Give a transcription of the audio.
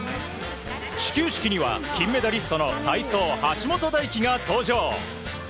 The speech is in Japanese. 始球式には金メダリストの体操、橋本大輝が登場。